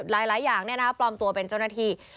หลายอย่างปลอมตัวเป็นเจ้าหน้าที่